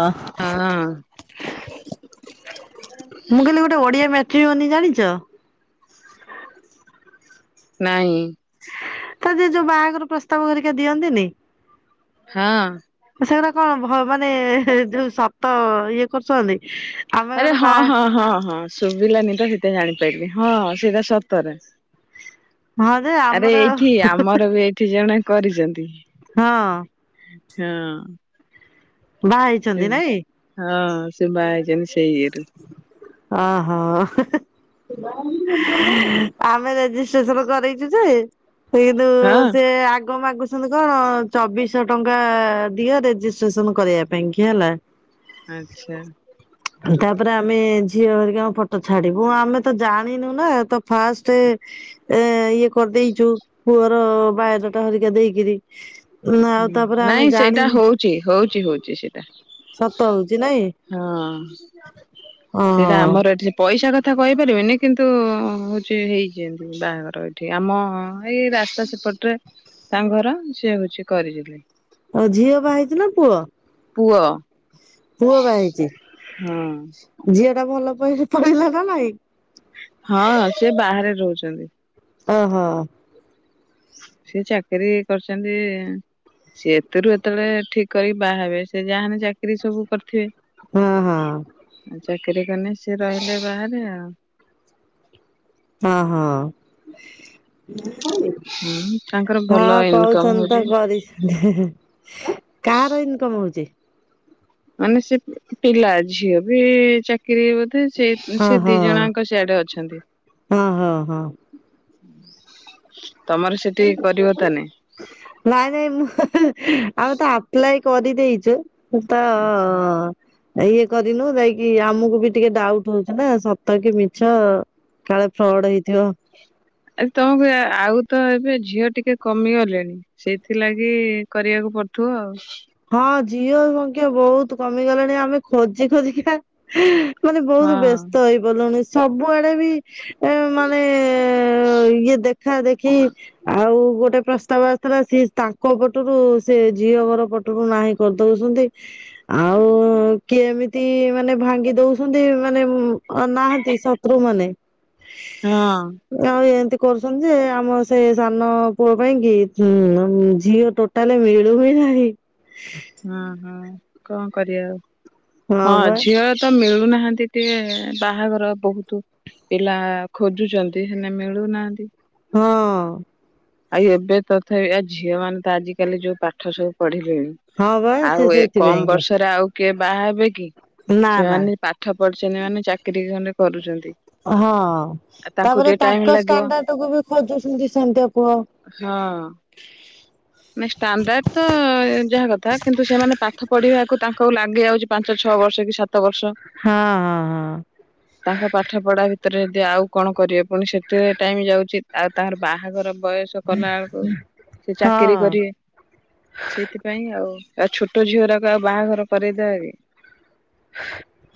ମୁଁ ହଁ କହିଲି ଗୋଟେ ଓଡିଆ ମ୍ୟା ଠିବନି ଜାଣିଚ ନାଇଁ। ତ ଯି ଯୋଉ ବାହାଘର ପ୍ରସ୍ତାବ ହେରିକା ଦିଅନ୍ତିନି ହଁ। ସେଗୁରା କଣ ମାନେ ଯୋଉ ସତ ଇଏ କରୁଛନ୍ତି। ଆମେ ଆରେ ଗୋଟେ ବା ହଁ ହଁ ହଁ ହଁ। ଶୁଭିଲାନି ତ ସେତ ଜାଣିପାରିବି ହଁ ସେଇଟା ସତରେ। ହଁ ଯେ ଆରେ ଆମର ଏଇଠି ଆମର ବି ଏଇଠି ଜଣେ କରିଛନ୍ତି। ହଁ। ହଁ। ବାହା ସେ ହେଇଛନ୍ତି ନାଇଁ। ହଁ ସେ ବାହା ହେଇଛନ୍ତି ସେଇ ଇଏରେ ଓ ହୋ [unintelligible] ଆମେ ରେଜିଷ୍ଟ୍ରେସନ କରେଇଛୁଯେ ସେ କିନ୍ତୁ ହଁ ସେ ଆ ଆଗ ମାଗୁଚନ୍ତି କଣ ଚବିଶ ଶହ ଟଙ୍କା ଦିଅ ରେଜିଷ୍ଟ୍ରେସନ କରିବା ପାଇଙ୍କି ହେଲା। ଆଚ୍ଛା। ଆଉ ତାପରେ ଆମେ ଝିଅ ହରିକାଙ୍କ ଫଟୋ ଛାଡିବୁ ଆମେ ତ ଜାଣିନୁ ନା ତ ଫାଷ୍ଟ ଏ ଇଏ କରିଦେଇଚୁ ପୁଅର ବାୟୋଡାଟା ହରିକା ଦେଇକିରି ନା ଆଉ ତାପରେ ହୁଁ ଆମେ ନାଇଁ ସେଇଟା ଜାଣିନୁ ହଉଚି ହଉ ଚି ହଉଚି ସେ। ସତ ହଉଛି ନାଇଁ ହଁ ସେଇଟା ଓହୋ। ଆମର ଏଠି ପଇସା କଥ୍ କଥା କହିପାରିବେନି କିନ୍ତୁ ହଉଚି ହେଇଚନ୍ତି ବାହାଘର ଏଇଠି ଆମ ଏଇ ରାସ୍ତା ସେପଟରେ ତାଙ୍କ ଘର ସେ ହଉଚି କରିଥିଲେ। ଆଉ ଝିଅ ବା ହେଇଚି ନା ପୁଅ? ପୁଅ। ପୁଅ ବାହା ହେଇଚି ହଁ। ଝିଅ ଟା ଭଲ ପ ପଇଲା ନା ନାଇଁ? ହଁ ସେ ବାହାରେ ରହୁଚ୍ ଚନ୍ତି। ଅ ହ। ସେ ଚାକିରି କରିଚନ୍ତି ସିଏ ଏଥିରୁ ଏତେବେଳେ ଠିକ କରିକି ବାହା ହେବେ ସେ ଯାହାହେଲେ ଚାକିରି ସବୁ କରିଥିବେ। ହଁ ହଁ। ଆଉ ଚାକିରି କଲେ ସିଏ ରହିଲେ ବାହାରେ ଆଉ। ହଁ ହଁ। ହୁଁ ତାଙ୍କର ଭଲ ହଁ ଇନକମ କହୁଚନ୍ତି ତ ହଉଛି। କରିଚନ୍ତି କାହାର ଇନକମ ହଉଚି? ମାନେ ସେ ପିଲା ଝିଅ ବି ଚାକିରି ବୋଧେ ସେ ସେ ଓହୋ ଦିଜଣାଙ୍କ ସିଆଡେ ଅଛନ୍ତି। ହଁ ହଁ ହଁ ତମର ସେଠି କରିବ ତାନେ ନାଇଁ ନାଇଁ ମୁଁ ଆଉ ତ ଆପ୍ଲାଇ କରି ଦେଇଚୁ। ସେ ତ ଆଛା। ଅ ଇଏ କରିନୁ ଯାଇକି ଆମକୁ ବି ଟିକେ ଡାଉଟ୍ ହଉଚି ନା ସତ କି ମିଛ କାଳେ ଫ୍ରଡ ହେଇଥିବ। ଆରେ ତମକୁ ଆଉ ତ ଏବେ ଝିଅ ଟିକେ କମିଗଲେଣି ସେଇଥିଲାଗି କରିବାକୁ ପଡୁଥିବ ଆଉ। ହଁ ଝିଅ ସଂଖ୍ୟା ବହୁତ କମିଗଲେଣି ଆମେ ଖୋଜି ଖୋଜିିକା ମାନେ ହଁ ବହୁତ ବ୍ୟସ୍ତ ହେଇପଡିଲୁଣି। ସବୁଆଡେ ବି ଏ ମାନେ ଇଏ ଦେଖ୍ ଦେଖା ଦେଖି ଆଉ ଗୋଟେ ପ୍ରସ୍ତାବ ଆସିଥିଲା ସେ ତାଙ୍କ ପଟରୁ ସେ ଝିଅଘର ପଟ୍ ରୁ ନାଇଁ କରିଦଉଚନ୍ତି ଆଉ କିଏ ଏମିତି ମାନେ ଭାଙ୍ଗି ଦଉସନ୍ତି ମାନେ ନାହାନ୍ତି ଶତ୍ରୁମାନେ ହଁ ଆଉ ଏନ୍ତି କରୁସନ୍ତି ଯେ ଆମ ସେ ସାନ ପୁଅ ପାଇଁ କି ଝି ଝିଅ ଟୋଟାଲ୍ ମିଳୁ ହି ନାହିଁ। ହଁ ହଁ କଣ କରିବା ଆଉ। ହଁ ଝିଅ ତ ମିଳୁ ମିଳୁନାହାନ୍ତି ଟିକେ ବାହାଘର ବହୁତ ପିଲା ଖୋଜୁଛନ୍ତି ସେନ ମିଳୁନାହାନ୍ତି। ହଁ। ଆଉ ଏବେ ତଥାପି ଆ ଝିଅ ମାନେ ତ ଆଜିିକାଲି ଯୋଉ ପାଠ ସବୁ ପଢିଲେ। ହୁଁ ହଁ ବା ସେ ଆଉ ଏ ସେଇଥିପାଇଁ କମ କି ବର୍ଷରେ ଆଉ କିଏ ବାହା ହେବେ କି? ନା ନା ସେମାନେ ପାଠ ପଢିଛନ୍ତି ମାନେ ଚାକିରୀ ଖଢେ କରୁଛନ୍ତି। ହଁ ଆଉ ତାଙ୍କୁ ତାପରେ ଟିକେ ଟାଇମ ତାଙ୍କ ଲାଗିବ ଷ୍ଟାଣ୍ଡଡକୁୁ ବି ଖୋଜୁଛନ୍ତି ସେମିତିଆ ପୁଅ ହଁ ତ ଯାହା କଥା କିନ୍ତୁ ସେମାନେ ପାଠ ପଢିବାକୁ ତାଙ୍କ ଲାଗି ଯାଉଛି ପାଞ୍ଚ ଛଅ ବର୍ଷ କି ସାତ ବର୍ଷ ହଁ ତାଙ୍କ ପାଠ ପଢା ଭରେ ରେ ଯଦି ଆଉ କଣ କରିବେ ପୁଣି ସେଥିରେ ଟାଇମ ଯାଉଚିତ ଆଉ ତାର ବାହାଘର ବୟସ କଲା ବେଳକୁ ସେ ହଁ ହଁ ଚାକିରି ହଁ କରିବେ ସେଇଥିପାଇଁ ଆଉ ଆଉ ଛୋଟ ଝିଅ ଟାକ ଆଉ ବାହାଘର ପରେଦରେ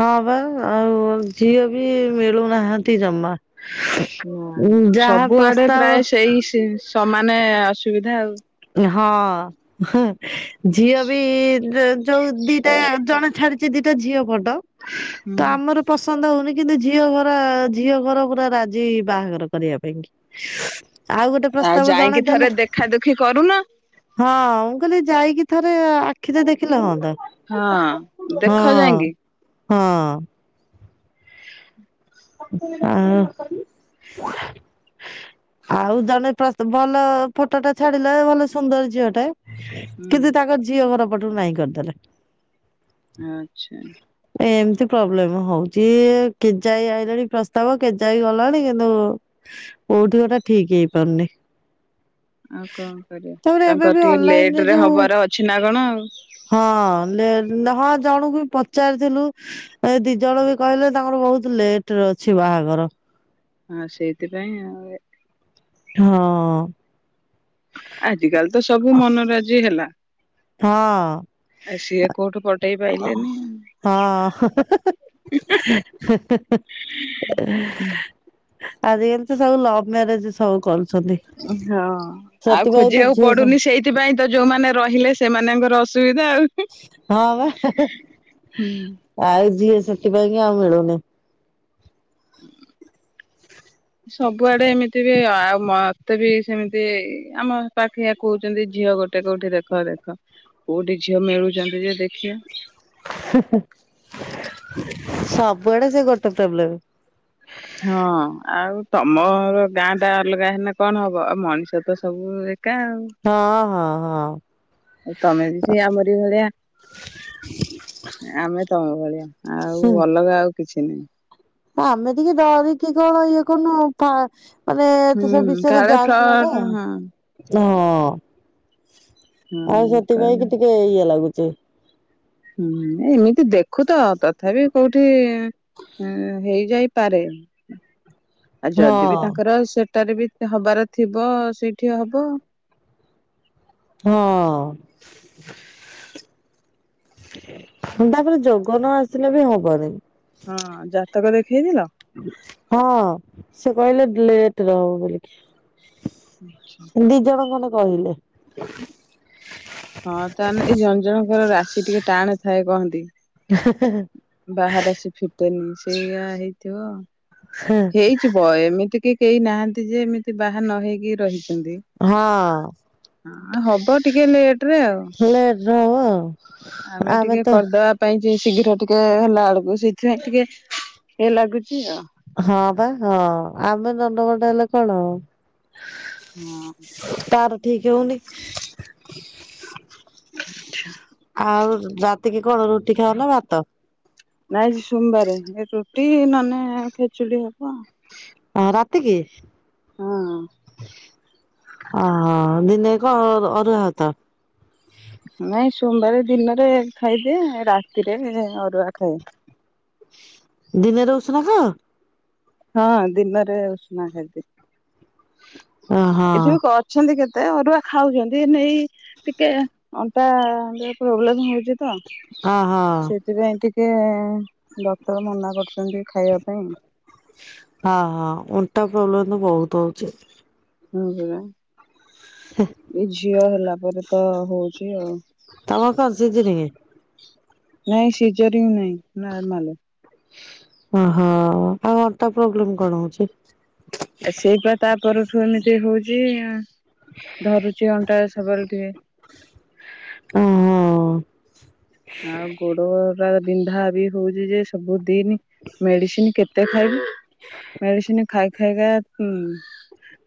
ହଁ ବା ଆଉ ଝିଅ ବି ମିଳୁନାହାନ୍ତି ଜମା। ହୁଁ ଯାହା ସବୁଆଡେ ପ୍ରସ୍ତାବ ପ୍ରାୟ ସେଇମାନେ ସୁବିଧା ଆଉ। ହଁ। ଝିଅ ବି ଯୋଉ ଦିଟା ଜଣେ ଛାଡିଛି ଦିଟା ଝିଅ ଫଟ ହୁଁ ତ ଆମର ପସ ପସନ୍ଦ ହଉନି କିନ୍ତୁ ଝିଅ ଘରା ଝିଅ ଘର ପୁରା ରାଜି ବାହାଘର କରିବା ପାଇଁ କି। ଆଉ ଗୋଟେ ଆଉ ପ୍ରସ୍ତାବ ଜଣେ ଯାଇକି ଦେଲା ଥରେ ଦେଖା ଦୁଖି କରୁ ହଁ ମୁଁ କହିଲି ଯାଇକି ଥରେ ଆଖି ତ ଦେଖିଲେ ହନ୍ତା। ହଁ ଦେଖ ଯାାଇଁକି। ହଁ। ଆଉ ଆଉ ଜଣେ ପ୍ର ଭଲ ଫଟଟେ ଛାଡିଲେ ଭଲ ସୁନ୍ଦର ଝିଅ ଟେ ହୁଁ କିନ୍ତୁ ତାଙ୍କ ଝିଅ ଘର ପଟ ନାଇଁ କରିଦେଲେ। ଆଚ୍ଛା। ଏମିତି ପ୍ରୋବ୍ଲେମ ହଉଛି। ସଏ କେଜାଇ ଆଇିଲଣି ପ୍ରସ୍ତାବ କେଜାଇ ଗଲାଣି କିନ୍ତୁ କୋଉଠି ଗୋଟା ଠିକ ହେଇପାରୁନି। ଆଉ କଣ କରିବା ତାପରେ ଏବେ ତାଙ୍କର ବି ଟିକେ ଅନଲାଇନରେ ଲେଟ ରେ ଯୋଉ ହବାର ଅଛି ନା କଣ ଆଉ। ଜଣଙ୍କୁ ବି ପଚାରିଥିଲୁ ଏ ଦି ଜଣ ବି କହିଲେ ତାଙ୍କର ବହୁତ ଲେଟରେ ଅଛି ବାହାଘର। ହଁ ସେଇଥିପାଇଁ ଆଉ ହଁ ଅ ଅ। ଆଜିକାଲି ତ ସବୁ ମନ ରାଜି ହେଲା। ଆ ସିଏ ହଁ କୋଉଠୁ ପଟେଇ ପାଇଲେନି ହଁ ଆଜି ଏମିତି ସବୁ ଲଭ୍ ମ୍ୟାରେଜ ସବୁ କରୁଛନ୍ତି ହଁ ଆଉ ସେଥିପାଇଁ ତ ଖୋଜିବାକୁ ଝିଅ ସ ପଡୁନି ସେଇଥିପାଇଁ ତ ଯୋଉମାନେ ରହିଲେ ସେମାନଙ୍କର ଅସୁବିଧା ଆଉ। ହଁ ବା ହୁଁ। ଆଉ ଯିଏ ସେଥିପାଇଁକି ଆଉ ମିଳୁନି। ସବୁଆଡେ ଏମିତି ବି ଆଉ ମତେ ବି ସେମିତି ଆମ ପାଖେ କହୁଛନ୍ତି ଝିଅ ଗୋଟେ କୋଉଠି ଦେଖ ଦେଖ କୋଉଠି ଝିଅ ମିଳୁଛନ୍ତି ଯେ ଦେଖିବ ସବୁଆଡେ ସେ ଗୋଟେ ପ୍ରୋବ୍ଲେମ୍। ହଁ ଆଉ ତମର ଗାଁ ଟା ଅଲଗା ହେଲେ କଣ ହବ ଆଉ ମଣିଷ ତ ସବୁ ହଁ ହଁ। ହଁ। ଏ ତମେ ବି ସେ ଆମରି ଭଳିଆ ଆମେ ତମ ଭଳିଆ ଆଉ ଅଲଗା ଆଉ କିଛି ନାହିଁ। ଆମେ ଟିକେ ଡରିକି କଣ ଇଏ କରୁନୁ। ମାନେ ଏ ହୁଁ ତ ସେ ବିଷୟରେ କାଳେ ଜାଣିନି ନା। ଫ୍ରଡ ହଁ। ଆଉ ହୁଁ ସେଥିପାଇଁ କହିଲେ କି ଟିକେ ଇଏ ଲାଗୁଛି। ହମ୍ [inaudible] ହୁଁ ଏମିତି ଦେଖୁ ତ ତଥାପି କୋଉଠି ହେଇ ଯାଇପାରେ। ଆଉ ଯଦି ବି ହଁ ତାଙ୍କର ସେଟାରେ ବି ସେ ହବାର ଥିବ ସେଇଠି ହବ। ହଁ ତାପରେ ଯୋଗ ନ ଆସିଲେ ବି ହବନି। ହଁ ଜାତକ ଦେଖେଇଥିଲ। ହଁ ସେ କହିଲେ ଲେଟର ହବ ବୋଲିକି। ଦି ଜଣଙ୍କ କହିଲେ ହଁ ତାହେଲେ ଏଇ ଜଣ ଜଣଙ୍କର ରାଶି ଟିକେ ଟାଣ ପ୍ରାୟେ କହନ୍ତି। ବାହାରେ ଆସି ଫିଟେଇ ନେଇଛି ସେଇଆ ହେଇଥିବ ହେଇଯିବ ଏମିତି କି କେହି ନାହାନ୍ତି ଯେ ଏମିତି ବାହା ନ ହେଇକି ରହି ହଁ [unintelligible] ହବ ଟିକେ ଲେଟ ରେ ଆଉ। ଲେଟ ରେ ହବ ଆଉ ଆମେ ଟିକେ କରିଦବା ପାଇଁ ଶୀଘ୍ର ଟିକେ ହେଲା ବେଳକୁ ସେଇଥିପାଇଁ ଟିକେ ଇଏ ଲାଗୁଛି ଆଉ। ହଁ ବା ହଁ ଆମେ ନଣ୍ଡଭଣ୍ଡ ହେଲେ କଣ ହବ। ହଁ। କାହାର ଠିକ ହଉନି। [unintelligible] ଆଉ ରାତିକି କଣ ରୁଟି ଖାଉ ନା ଭାତ? ନାଇଁ ଆଜି ସୋମବାରେ ଏ ରୁଟି ନହେଲେ ଖେଚୁଡି ହବ ଆଉ। ଅ ରାତି କି। ଆଁ ଦି [unintelligible] ଅରୁଆ ଭାତ। ନାଇଁ ସୋମବାର ଦିନରେ ଖାଇଦିଏ ରାତିରେ ଅରୁଆ ଖାଏ। ଦିନରେ ଉଷୁନା ଖାଅ। ହଁ ଦିନରେ ଉଷୁନା ଖାଇଦିଏ। ଓହୋ ଏଠି ବି ଅଛନ୍ତି କେତେ ତେ ଅରୁଆ ଖାଉଛନ୍ତି ।ନେଇ ଟିକେ ଅଣ୍ଟା ପ୍ରୋବ୍ଲେମ ହଉଛି ତ ଓହୋ ସେଥିପାଇଁ ଟି ଟିକେ ଡକ୍ଟର ମନା କରୁଛନ୍ତି ଖାଇବା ପାଇଁ। ହଁ ହଁ ଅଣ୍ଟା ପ୍ରୋବ୍ଲେମ ତ ବହୁତ ହଉଛି। ଉଁ ହୁଁ। ଏଇ ଝିଅ ହେଲା ପରେ ତ ହଉଛି ଆଉ ତମ କଣ ସିଯିରିଙ୍ଗି? ନାଇଁ ସିଯରିଙ୍ଗ ନାହିଁ ନର୍ମାଲ। ଓହୋ ଆଉ ଅଣ୍ଟା ପ୍ରୋବ୍ଲେମ କଣ ହଉଛି? ସେଇ ପା ତାପର ଠୁ ଏମିତି ହଉଛି। ଧରୁଛି ଅଣ୍ଟା। [unintelligible] ଓ ହଁ। ଆଉ ଗୋଡ ପା ବିନ୍ଧା ବି ହଉଛି ଯେ ସବୁ ଦିନି ମେଡିସିନ କେତେ ଖାଇବି। ମେଡ଼ିସିନ ଖାଇ ଖାଇକା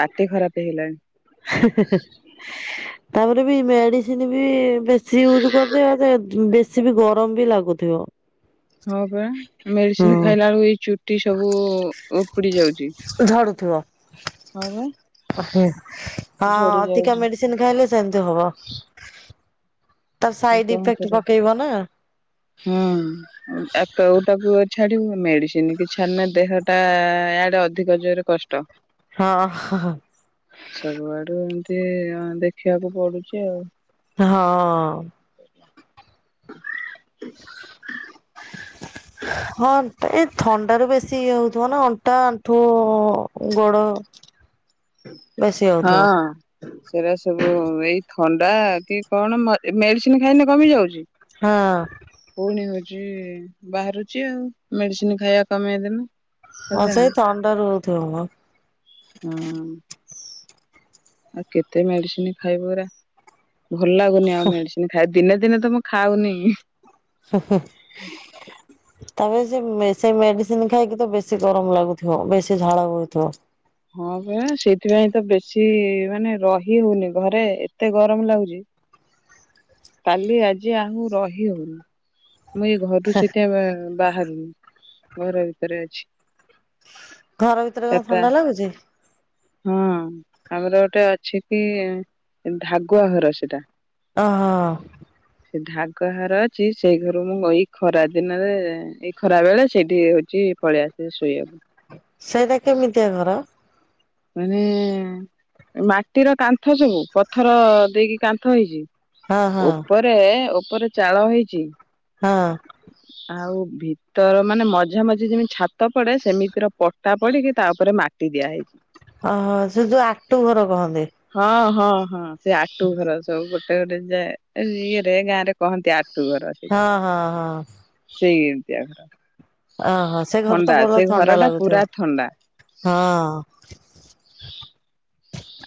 ପାଟି ଖରାପ ହେଇଲାଣି। [unintelligible] ତାପରେ ବି ମେଡିସିନ ବି ବେଶୀ ୟୁଜ୍ କରିଦ ଯେ ବେ ସେ ବି ଗରମ ବି ଲାଗୁଥିବ। ହଁ ପରା ହୁଁ ମେଡିସିନ ଖାଇଲ ହେଇୁ ଚୁଟି ସବୁ ଉପୁଡି ଯାଉଚି ଝଡୁଥିବ। ହଁ ପା। ହଁ ଅଧିକା ଯାଉଛି ମେଡିସିନ ଖାଇଲେ ସେମିତି ହବ। ତାର ଆଉ ସାଇଡ କଣ ଇଫେକ୍ଟ କର ପକେଇବ ନା ହୁଁ ଏକଉଟାକୁ ଛାଡିବୁ ମେଡିସିନ କି ଛାଡ଼ିଲେ ଦେହଟା ଆଡେ ଅଧିକ ଜୋରରେ କଷ୍ଟ। ହଁ। ସେ ଦେଖିବାକୁ ପଡୁଛି ଆଉ। ହଁ। [inaudible] ହଁ ଏଇ ଥଣ୍ଡା ର ବେଶୀ ଇଏ ହଉଥିବ ନା ଅଣ୍ଟା ଆଣ୍ଠୁ ଗୋଡ ବେଶୀ ହଁ। ହଉଥିବ ସେଇଟା ସବୁ ଏଇ ଥଣ୍ଡା କି କଣ ମେଡିସିନ ଖାଇଲେ କମି ଯାଉଛି। ହଁ। ପୁଣି ବାହାରୁଛି ଆଉ ମେଡିସିନ ଖାଇବା କମେଇଦିନ। ହଁ ସେଇ ଥଣ୍ଡା ରହୁଛି। [unintelligible] ହଁ। ଆଉ କେତେ ମେଡିସିନ ଖାଇବ ପୁରରା ଭଲ ଲାଗୁନି ଆଉ ମେଡିସିନ ଖାଇ ଦିନେ ଦିନେ ତ ମୁଁ ଖାଉନି। ହୁଁ ହୁଁ ତାପ ସେ ମେଡିସିନ ଖାଇକି ତ ବେଶୀ ଗରମ ଲାଗୁଥିବ ବେଶୀ ଝାଳ ବଥିବ। ହଁ ଭୟା ସେଇଥିପାଇଁ ତ ବେଶୀ ମାନେ ରହି ହଉନି ଘରେ ଏତେ ଗରମ ଲାଗୁଛି। କାଲି ଆଜି ଆଉ ରହି ହଉନି। ମୁଁ ଏଇ ଘରୁ ସେତ ବାହାରୁନ ଘର ଭିତରେ ଅଛି। ଘର ଭିତରେ କ ଚାରିଟା ଥଣ୍ଡା ଲାଗୁଛେ। ହଁ ଆମର ଗୋଟେ ଅଛି କି ଧାଗୁଆ ଘର ସେଟା। ଓହୋ। ସେ ଢାଗହାର ଅଛି ସେଇ ଘରୁ ମୁଁ ଏଇ ଖରା ଦିନରେ ଏଇ ଖରା ବେଳେ ସେଇଠି ହଉଛି ପଳେଇଆସ ଶୋଇବାକୁ। ସେଇଟା କେମିତିଆ ଘର। ମାନେ ମାଟିର କାନ୍ଥ ସବୁ ପଥର ଦେଇକି କାନ୍ଥ ହେଇଛି। ହଁ ହଁ ଉପର ଏ ଉପରେ ଚାଳ ହେଇଛି। ହଁ। ଆଉ ଭିତର ମାନେ ମଝା ମଝି ଯେମିତି ଛାତ ପଡେ ସେମିତିର ପଟା ପଡିକି ତା ଉପରେ ମାଟି ଦିଆ ହେଇଛି। ଓହୋ ସେ ଯୋଉ ଆଟୁ ଘର କହନ୍ତି। ହଁ ହଁ ହଁ। ସେ ଆଟୁ ଘର ସବୁ ଗ ଟେ ଯାଏଁ ଇରେ ଗାଁ ରେ କହନ୍ତି ଆଟ୍ ହଁ ହଁ ହଁ। ୟା ଘର। ଓହୋ ସେ ଘରେ ତ ଥଣ୍ଡା ଭଲ ସେ ଘର ଥଣ୍ଡା ଟା ଲାଗୁଥିବ ପୁରା ଥଣ୍ଡା। ହଁ।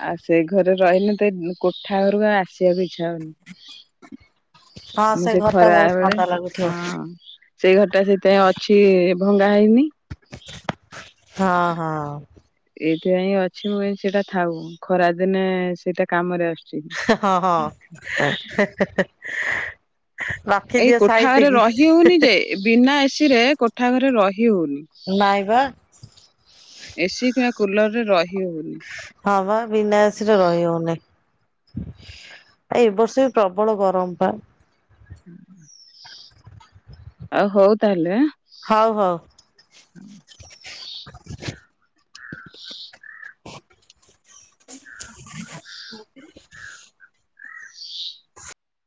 ଆଉ ସେଇ ଘରେ ରହିଲେ ତ ଏ କୋଠା ଘରକୁ ଆଉ ଆସିବାକୁ ଇଛା ହଉନି। ହଁ ମୁଁ ସେ ଘରଟା ଖରା ବୋହୁତ ବେଳେ ଥଣ୍ଡା ଲାଗୁଥିବ ହଁ ସେଇ ଘରଟା ସେଥିପାଇଁ ଅଛି ଇ ଭଙ୍ଗା ହେଇନି। ହଁ ହଁ। ସେ ଇଁ ଅଛି ମୁଁ ସେଇଟା ଥାଉ। ଖରା ଦିନେ ସେଇଟା କାମରେ ଆସୁ ହଁ ହଁ ହେଁ ହେଁ। ଏଇ କୋଠା ଘରେ ସାଇତିକି ରହି ହଉନି ଯେ ବିନା ଏସି ରେ କୋଠା ଘରେ ରହି ହଉନି। ନାଇଁବା। ଏସିି କିମ୍ବା କୁଲର ରେ ରହି ହଉନି ହଁ ବା ବିନା ଏସିରେ ରହି ହଉନି। ଏ ବର୍ଷ ବି ପ୍ରବଳ ଗରମ ବା। ହୁଁ। ଆଉ ହଉ ତାହେଲେ। ହଉ ହଉ। ହଁ। [inaudible]